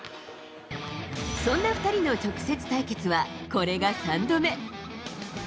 そんな２人の直接対決はこれが３度目。